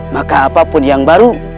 maka apapun yang baru